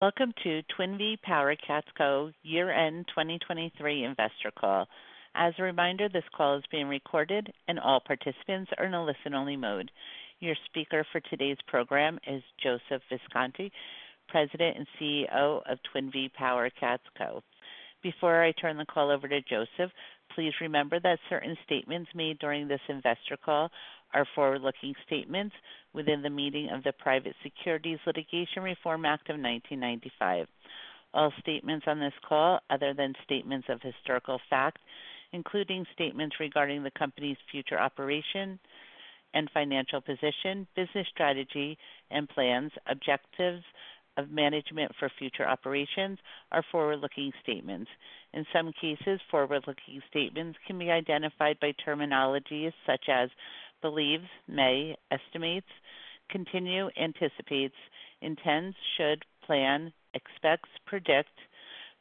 Welcome to Twin Vee PowerCats Co. year-end 2023 investor call. As a reminder, this call is being recorded and all participants are in a listen-only mode. Your speaker for today's program is Joseph Visconti, President and CEO of Twin Vee PowerCats Co. Before I turn the call over to Joseph, please remember that certain statements made during this investor call are forward-looking statements within the meaning of the Private Securities Litigation Reform Act of 1995. All statements on this call, other than statements of historical fact, including statements regarding the company's future operation and financial position, business strategy, and plans, objectives of management for future operations, are forward-looking statements. In some cases, forward-looking statements can be identified by terminologies such as believes, may, estimates, continue, anticipates, intends, should, plan, expects, predict,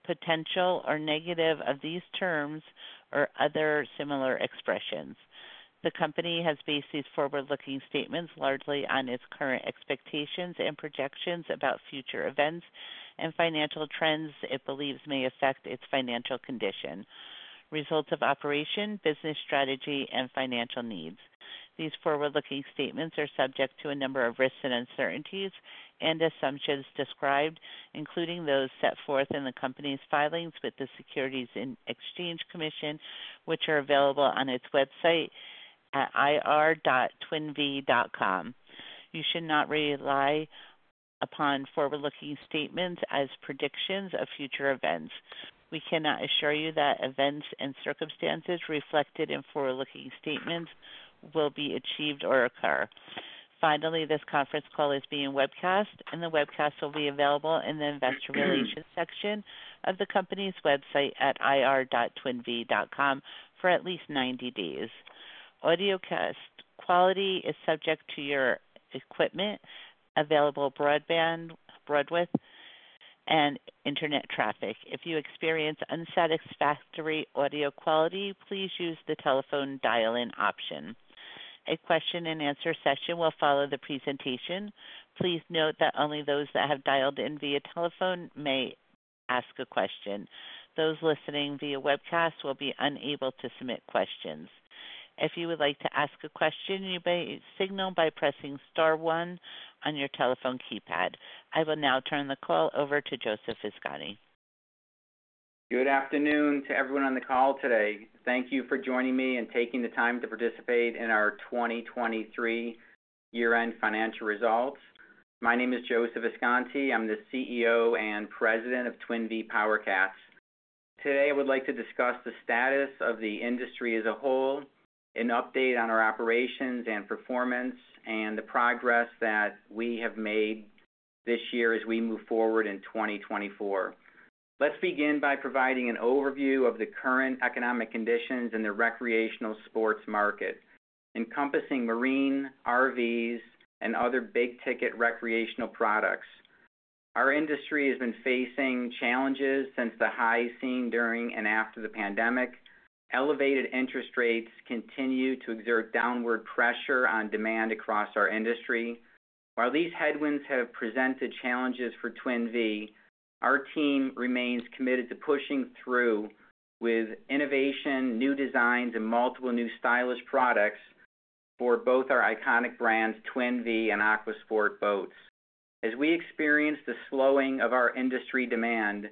potential, or negative of these terms or other similar expressions. The company has based these forward-looking statements largely on its current expectations and projections about future events and financial trends it believes may affect its financial condition, results of operations, business strategy, and financial needs. These forward-looking statements are subject to a number of risks and uncertainties and assumptions described, including those set forth in the company's filings with the Securities and Exchange Commission, which are available on its website at ir.twinvee.com. You should not rely upon forward-looking statements as predictions of future events. We cannot assure you that events and circumstances reflected in forward-looking statements will be achieved or occur. Finally, this conference call is being webcast, and the webcast will be available in the investor relations section of the company's website at ir.twinvee.com for at least 90 days. Audio quality is subject to your equipment, available broadband, bandwidth, and internet traffic. If you experience unsatisfactory audio quality, please use the telephone dial-in option. A question-and-answer session will follow the presentation. Please note that only those that have dialed in via telephone may ask a question. Those listening via webcast will be unable to submit questions. If you would like to ask a question, you may signal by pressing star 1 on your telephone keypad. I will now turn the call over to Joseph Visconti. Good afternoon to everyone on the call today. Thank you for joining me and taking the time to participate in our 2023 year-end financial results. My name is Joseph Visconti. I'm the CEO and President of Twin Vee PowerCats. Today, I would like to discuss the status of the industry as a whole, an update on our operations and performance, and the progress that we have made this year as we move forward in 2024. Let's begin by providing an overview of the current economic conditions in the recreational sports market, encompassing marine, RVs, and other big-ticket recreational products. Our industry has been facing challenges since the highs seen during and after the pandemic. Elevated interest rates continue to exert downward pressure on demand across our industry. While these headwinds have presented challenges for Twin Vee, our team remains committed to pushing through with innovation, new designs, and multiple new stylish products for both our iconic brands, Twin Vee and Aquasport Boats. As we experience the slowing of our industry demand,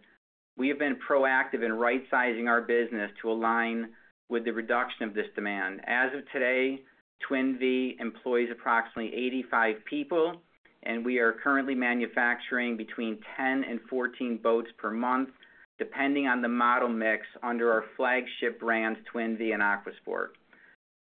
we have been proactive in right-sizing our business to align with the reduction of this demand. As of today, Twin Vee employs approximately 85 people, and we are currently manufacturing between 10 and 14 boats per month, depending on the model mix under our flagship brands, Twin Vee and Aquasport.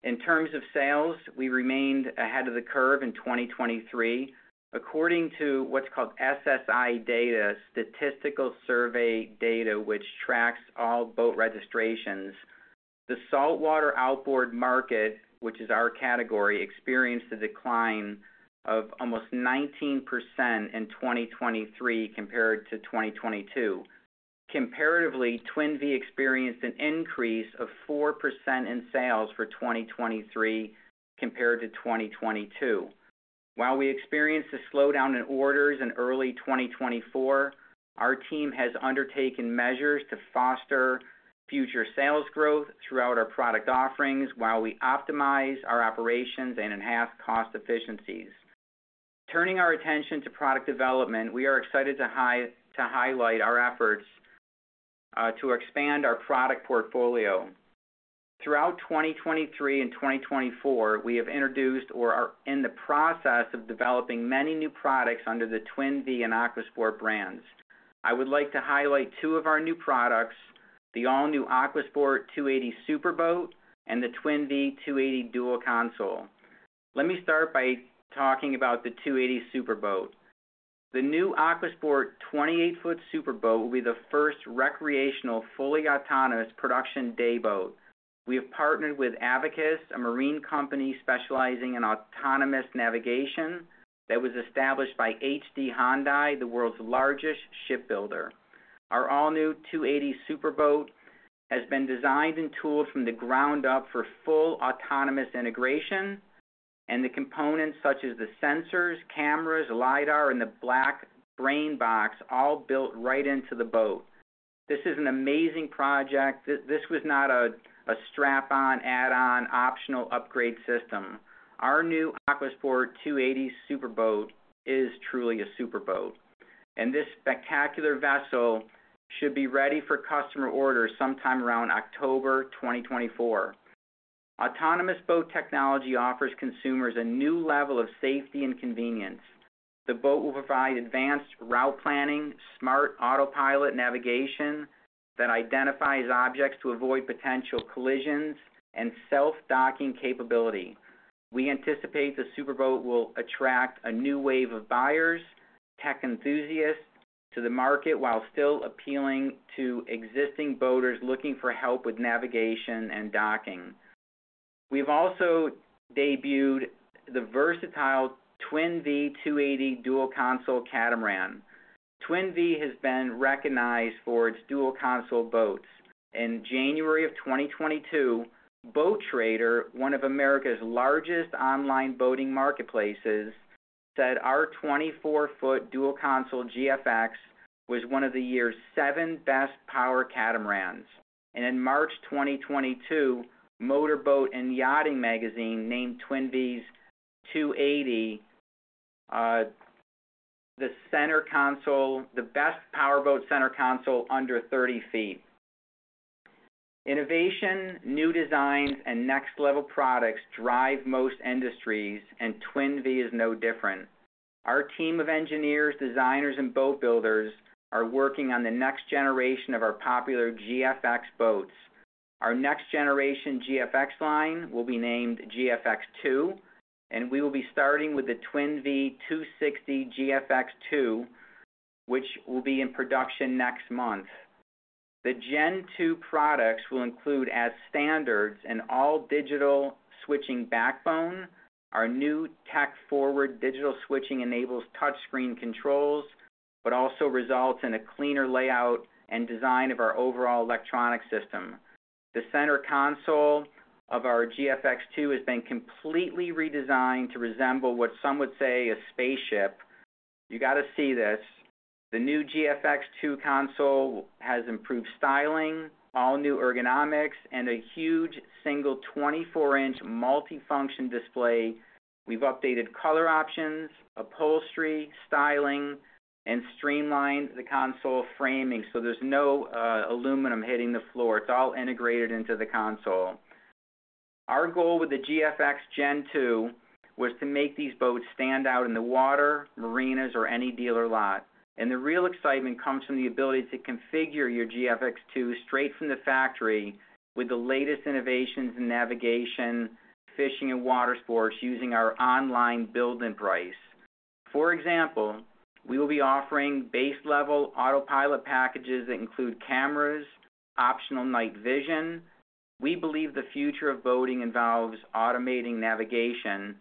In terms of sales, we remained ahead of the curve in 2023. According to what's called SSI data, statistical survey data which tracks all boat registrations, the saltwater outboard market, which is our category, experienced a decline of almost 19% in 2023 compared to 2022. Comparatively, Twin Vee experienced an increase of 4% in sales for 2023 compared to 2022. While we experienced a slowdown in orders in early 2024, our team has undertaken measures to foster future sales growth throughout our product offerings while we optimize our operations and enhance cost efficiencies. Turning our attention to product development, we are excited to highlight our efforts to expand our product portfolio. Throughout 2023 and 2024, we have introduced or are in the process of developing many new products under the Twin Vee and Aquasport brands. I would like to highlight two of our new products, the all-new Aquasport 280 Superboat and the Twin Vee 280 Dual Console. Let me start by talking about the 280 Superboat. The new Aquasport 28-foot Superboat will be the first recreational fully autonomous production dayboat. We have partnered with Avikus, a marine company specializing in autonomous navigation that was established by HD Hyundai, the world's largest shipbuilder. Our all-new 280 Superboat has been designed and tooled from the ground up for full autonomous integration, and the components such as the sensors, cameras, LiDAR, and the black brain box all built right into the boat. This is an amazing project. This was not a strap-on, add-on, optional upgrade system. Our new Aquasport 280 Superboat is truly a superboat, and this spectacular vessel should be ready for customer orders sometime around October 2024. Autonomous boat technology offers consumers a new level of safety and convenience. The boat will provide advanced route planning, smart autopilot navigation that identifies objects to avoid potential collisions, and self-docking capability. We anticipate the superboat will attract a new wave of buyers, tech enthusiasts, to the market while still appealing to existing boaters looking for help with navigation and docking. We've also debuted the versatile Twin Vee 280 Dual Console catamaran. Twin Vee has been recognized for its dual console boats. In January 2022, Boat Trader, one of America's largest online boating marketplaces, said our 24-foot dual console GFX was one of the year's seven best power catamarans. In March 2022, Motor Boat and Yachting magazine named Twin Vee's 280 Center Console the best power boat center console under 30 feet. Innovation, new designs, and next-level products drive most industries, and Twin Vee is no different. Our team of engineers, designers, and boat builders are working on the next generation of our popular GFX boats. Our next generation GFX line will be named GFX 2, and we will be starting with the Twin Vee 260 GFX 2, which will be in production next month. The Gen 2 products will include as standards an all-digital switching backbone. Our new tech-forward digital switching enables touchscreen controls but also results in a cleaner layout and design of our overall electronic system. The center console of our GFX 2 has been completely redesigned to resemble what some would say a spaceship. You got to see this. The new GFX 2 console has improved styling, all-new ergonomics, and a huge single 24-inch multifunction display. We've updated color options, upholstery, styling, and streamlined the console framing so there's no aluminum hitting the floor. It's all integrated into the console. Our goal with the GFX Gen 2 was to make these boats stand out in the water, marinas, or any dealer lot. The real excitement comes from the ability to configure your GFX 2 straight from the factory with the latest innovations in navigation, fishing, and water sports using our online build-and-price. For example, we will be offering base-level autopilot packages that include cameras, optional night vision. We believe the future of boating involves automating navigation,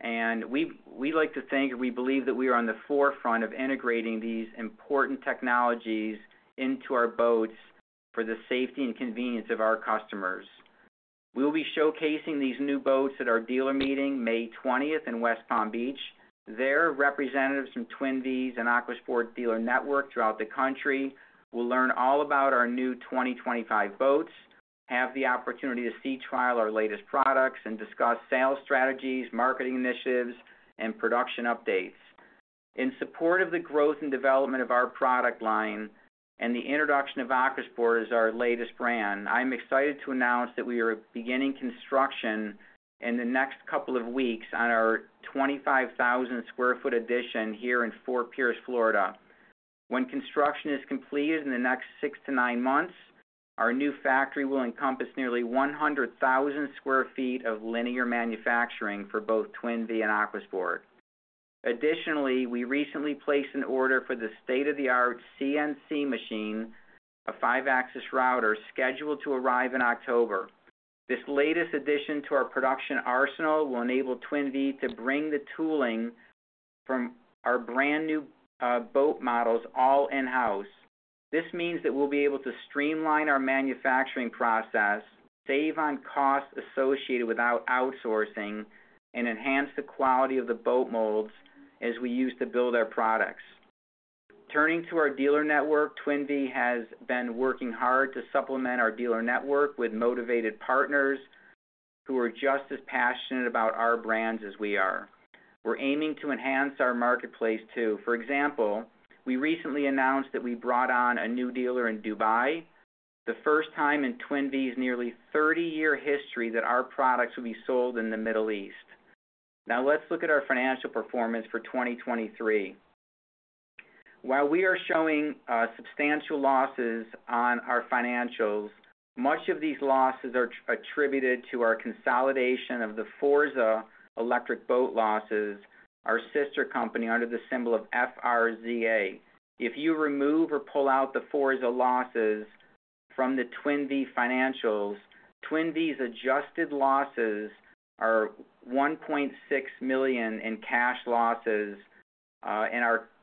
and we like to think and we believe that we are on the forefront of integrating these important technologies into our boats for the safety and convenience of our customers. We will be showcasing these new boats at our dealer meeting May 20th in West Palm Beach. There, representatives from Twin Vee's and Aquasport dealer network throughout the country will learn all about our new 2025 boats, have the opportunity to sea trial our latest products, and discuss sales strategies, marketing initiatives, and production updates. In support of the growth and development of our product line and the introduction of Aquasport as our latest brand, I'm excited to announce that we are beginning construction in the next couple of weeks on our 25,000 sq ft addition here in Fort Pierce, Florida. When construction is completed in the next 6-9 months, our new factory will encompass nearly 100,000 sq ft of linear manufacturing for both Twin Vee and Aquasport. Additionally, we recently placed an order for the state-of-the-art CNC machine, a 5-axis router, scheduled to arrive in October. This latest addition to our production arsenal will enable Twin Vee to bring the tooling from our brand-new boat models all in-house. This means that we'll be able to streamline our manufacturing process, save on costs associated without outsourcing, and enhance the quality of the boat molds as we use to build our products. Turning to our dealer network, Twin Vee has been working hard to supplement our dealer network with motivated partners who are just as passionate about our brands as we are. We're aiming to enhance our marketplace too. For example, we recently announced that we brought on a new dealer in Dubai, the first time in Twin Vee's nearly 30-year history that our products will be sold in the Middle East. Now, let's look at our financial performance for 2023. While we are showing substantial losses on our financials, much of these losses are attributed to our consolidation of the Forza Electric Boat losses, our sister company under the symbol of FRZA. If you remove or pull out the Forza losses from the Twin Vee financials, Twin Vee's adjusted losses are $1.6 million in cash losses,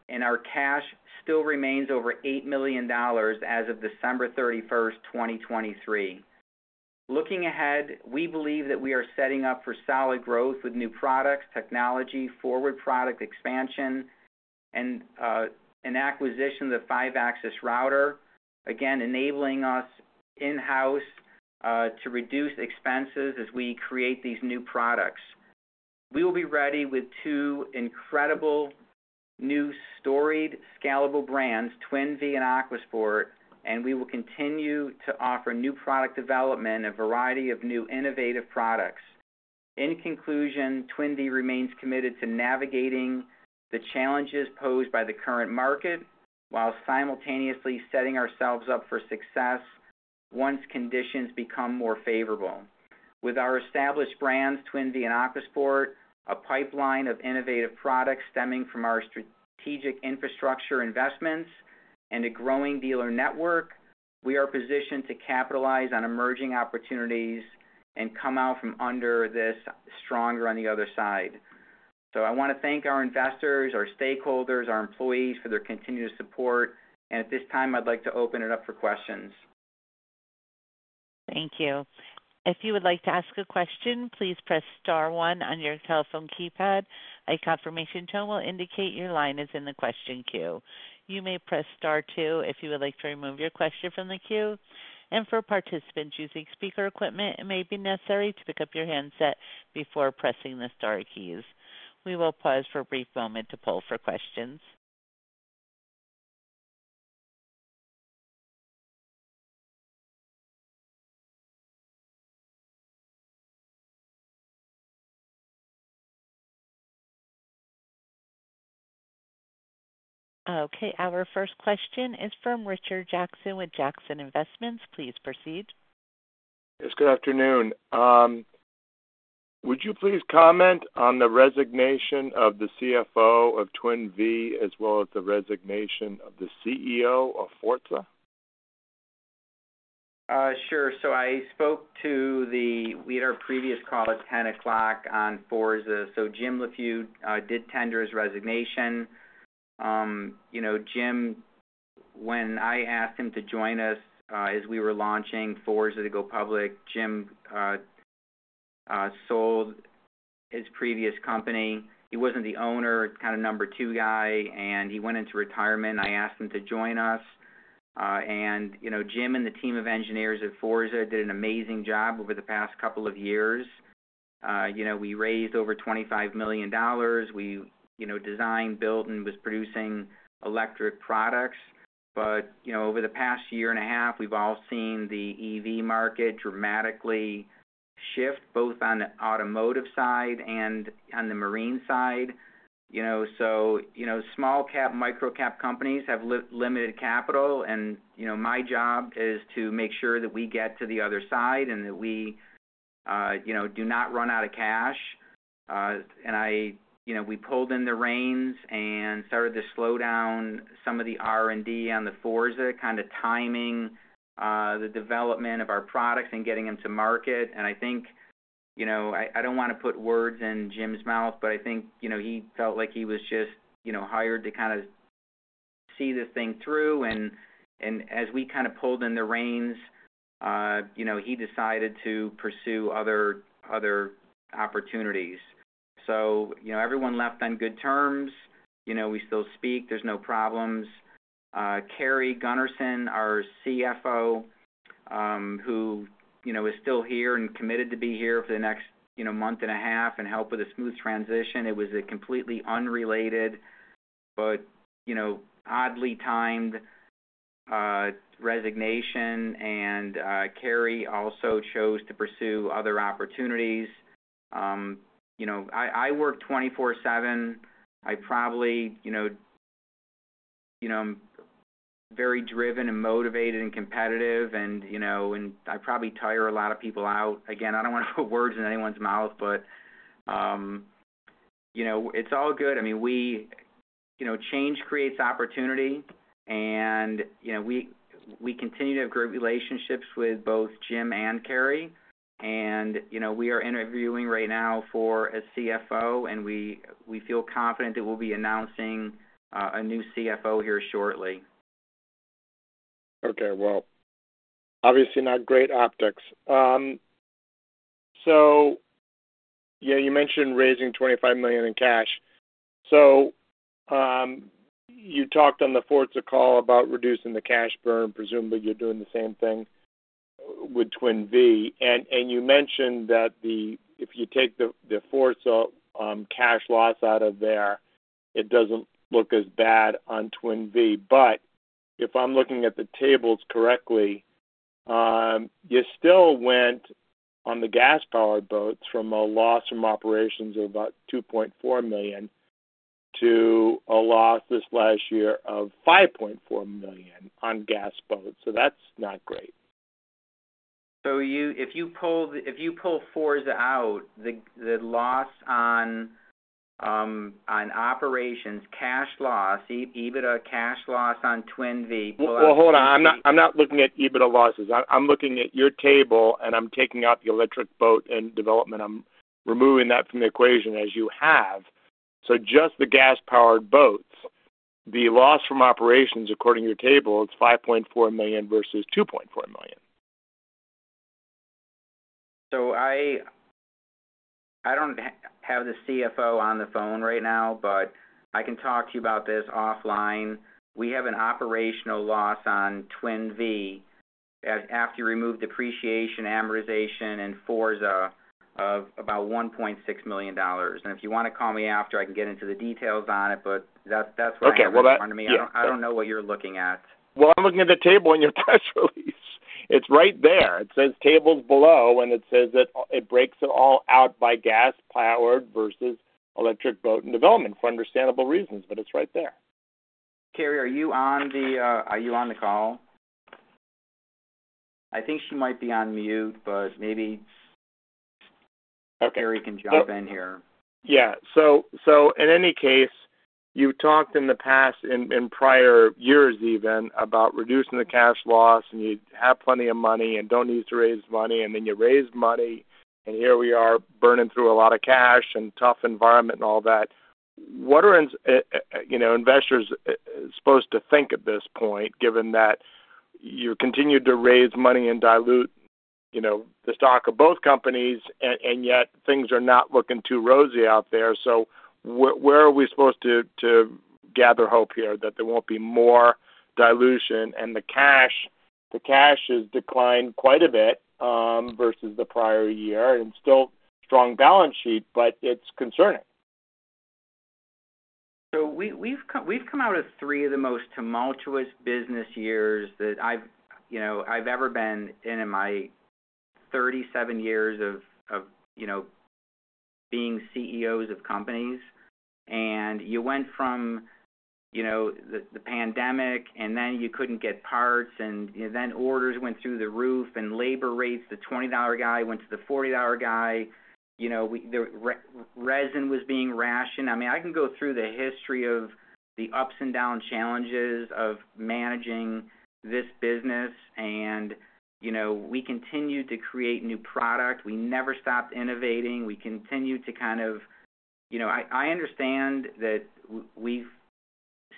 and our cash still remains over $8 million as of December 31st, 2023. Looking ahead, we believe that we are setting up for solid growth with new products, technology, forward product expansion, and an acquisition of the 5-axis router, again enabling us in-house to reduce expenses as we create these new products. We will be ready with two incredible new storied, scalable brands, Twin Vee and Aquasport, and we will continue to offer new product development and a variety of new innovative products. In conclusion, Twin Vee remains committed to navigating the challenges posed by the current market while simultaneously setting ourselves up for success once conditions become more favorable. With our established brands, Twin Vee and Aquasport, a pipeline of innovative products stemming from our strategic infrastructure investments, and a growing dealer network, we are positioned to capitalize on emerging opportunities and come out from under this stronger on the other side. So I want to thank our investors, our stakeholders, our employees for their continued support, and at this time, I'd like to open it up for questions. Thank you. If you would like to ask a question, please press star one on your telephone keypad. A confirmation tone will indicate your line is in the question queue. You may press star two if you would like to remove your question from the queue. For participants using speaker equipment, it may be necessary to pick up your handset before pressing the star keys. We will pause for a brief moment to poll for questions. Okay. Our first question is from Richard Jackson with Jackson Investments. Please proceed. Yes. Good afternoon. Would you please comment on the resignation of the CFO of Twin Vee as well as the resignation of the CEO of Forza? Sure. So I spoke to them. We had our previous call at 10:00 A.M. on Forza. So Jim Leffew did tender his resignation. Jim, when I asked him to join us as we were launching Forza to go public, Jim sold his previous company. He wasn't the owner, kind of number two guy, and he went into retirement. I asked him to join us. And Jim and the team of engineers at Forza did an amazing job over the past couple of years. We raised over $25 million. We designed, built, and was producing electric products. But over the past year and a half, we've all seen the EV market dramatically shift both on the automotive side and on the marine side. So small-cap, micro-cap companies have limited capital, and my job is to make sure that we get to the other side and that we do not run out of cash. And we pulled in the reins and started to slow down some of the R&D on the Forza, kind of timing the development of our products and getting them to market. And I think I don't want to put words in Jim's mouth, but I think he felt like he was just hired to kind of see this thing through. And as we kind of pulled in the reins, he decided to pursue other opportunities. So everyone left on good terms. We still speak. There's no problems. Carrie Gunnerson, our CFO, who is still here and committed to be here for the next month and a half and help with a smooth transition, it was a completely unrelated but oddly timed resignation. Carrie also chose to pursue other opportunities. I work 24/7. I'm very driven and motivated and competitive, and I probably tire a lot of people out. Again, I don't want to put words in anyone's mouth, but it's all good. I mean, change creates opportunity, and we continue to have great relationships with both Jim and Carrie. We are interviewing right now for a CFO, and we feel confident that we'll be announcing a new CFO here shortly. Okay. Well, obviously, not great optics. So yeah, you mentioned raising $25 million in cash. So you talked on the Forza call about reducing the cash burn. Presumably, you're doing the same thing with Twin Vee. And you mentioned that if you take the Forza cash loss out of there, it doesn't look as bad on Twin Vee. But if I'm looking at the tables correctly, you still went on the gas-powered boats from a loss from operations of about $2.4 million to a loss this last year of $5.4 million on gas boats. So that's not great. If you pull Forza out, the loss on operations, cash loss, EBITDA cash loss on Twin Vee plus- Well, hold on. I'm not looking at EBITDA losses. I'm looking at your table, and I'm taking out the electric boat and development. I'm removing that from the equation as you have. So just the gas-powered boats, the loss from operations, according to your table, it's $5.4 million versus $2.4 million. I don't have the CFO on the phone right now, but I can talk to you about this offline. We have an operational loss on Twin Vee after you remove depreciation, amortization, and Forza of about $1.6 million. If you want to call me after, I can get into the details on it, but that's what I have in front of me. I don't know what you're looking at. Well, I'm looking at the table on your press release. It's right there. It says tables below, and it says that it breaks it all out by gas-powered versus electric boat and development for understandable reasons, but it's right there. Carrie, are you on the call? I think she might be on mute, but maybe Carrie can jump in here. Yeah. So in any case, you've talked in the past, in prior years even, about reducing the cash loss, and you have plenty of money and don't need to raise money, and then you raise money, and here we are burning through a lot of cash and tough environment and all that. What are investors supposed to think at this point given that you continue to raise money and dilute the stock of both companies, and yet things are not looking too rosy out there? So where are we supposed to gather hope here that there won't be more dilution? And the cash has declined quite a bit versus the prior year. It's still a strong balance sheet, but it's concerning. So we've come out of 3 of the most tumultuous business years that I've ever been in in my 37 years of being CEOs of companies. And you went from the pandemic, and then you couldn't get parts, and then orders went through the roof, and labor rates, the $20 guy went to the $40 guy. Resin was being rationed. I mean, I can go through the history of the ups and downs challenges of managing this business, and we continue to create new product. We never stopped innovating. We continue to kind of I understand that we've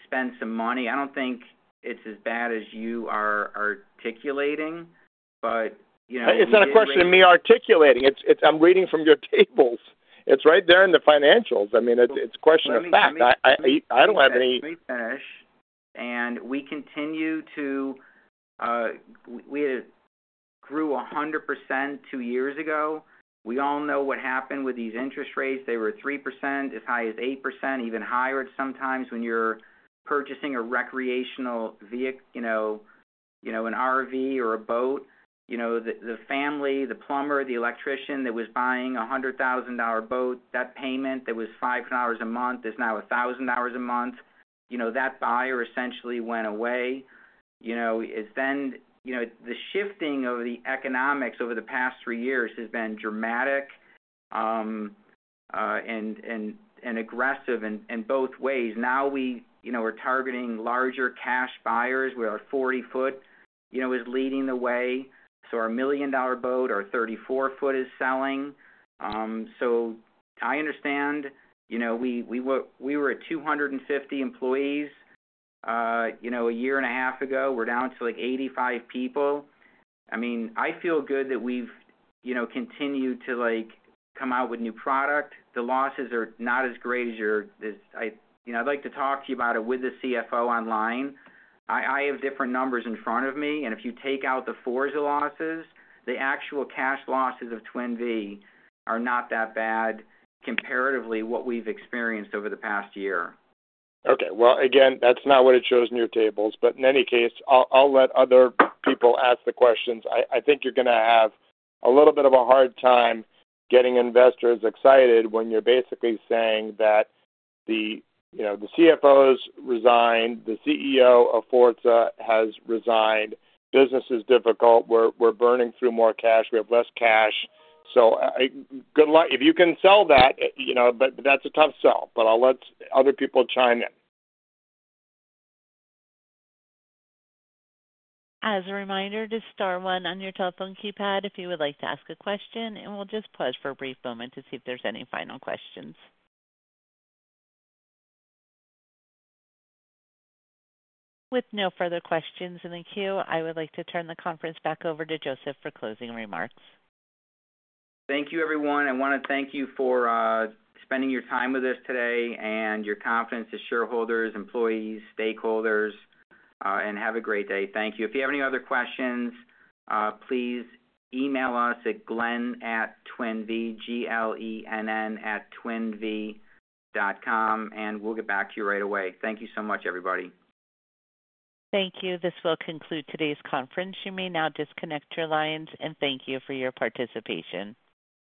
spent some money. I don't think it's as bad as you are articulating, but. It's not a question of me articulating. I'm reading from your tables. It's right there in the financials. I mean, it's a question of fact. I don't have any. Let me finish. And we continue to we grew 100% two years ago. We all know what happened with these interest rates. They were 3%, as high as 8%, even higher sometimes when you're purchasing a recreational vehicle, an RV or a boat. The family, the plumber, the electrician that was buying a $100,000 boat, that payment that was $500 a month is now $1,000 a month. That buyer essentially went away. It's then the shifting of the economics over the past three years has been dramatic and aggressive in both ways. Now we're targeting larger cash buyers. We're our 40-foot is leading the way. So our million-dollar boat, our 34-foot is selling. So I understand. We were at 250 employees a year and a half ago. We're down to like 85 people. I mean, I feel good that we've continued to come out with new product. The losses are not as great as you're. I'd like to talk to you about it with the CFO online. I have different numbers in front of me. If you take out the Forza losses, the actual cash losses of Twin Vee are not that bad comparatively to what we've experienced over the past year. Okay. Well, again, that's not what it shows in your tables. But in any case, I'll let other people ask the questions. I think you're going to have a little bit of a hard time getting investors excited when you're basically saying that the CFO's resigned, the CEO of Forza has resigned, business is difficult, we're burning through more cash, we have less cash. So good luck. If you can sell that, but that's a tough sell. But I'll let other people chime in. As a reminder, just star one on your telephone keypad if you would like to ask a question, and we'll just pause for a brief moment to see if there's any final questions. With no further questions in the queue, I would like to turn the conference back over to Joseph for closing remarks. Thank you, everyone. I want to thank you for spending your time with us today and your confidence as shareholders, employees, stakeholders, and have a great day. Thank you. If you have any other questions, please email us at Glenn@twinvee.com, g-l-e-n-n at twinvee.com, and we'll get back to you right away. Thank you so much, everybody. Thank you. This will conclude today's conference. You may now disconnect your lines, and thank you for your participation.